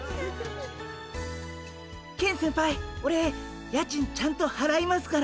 ケン先輩オレ家賃ちゃんとはらいますから。